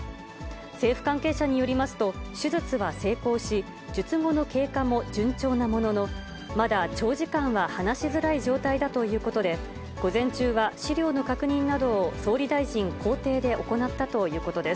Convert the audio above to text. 政府関係者によりますと、手術は成功し、術後の経過も順調なものの、まだ長時間は話しづらい状態だということで、午前中は資料の確認などを、総理大臣公邸で行ったということです。